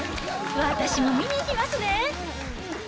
私も見に行きますね。